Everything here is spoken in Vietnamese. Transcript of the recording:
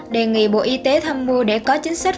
đề nghị bộ y tế tham mưu để có chính sách